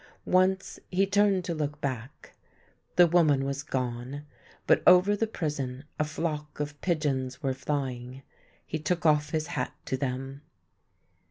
Once he turned to look back. The woman was gone, but over the prison a flock of pigeons were flying. He took off his hat to them.